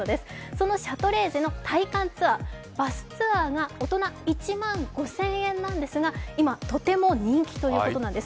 そのシャトレーゼの体感ツアー、バスツアーが大人１万５０００円なんですが今、とても人気ということなんです。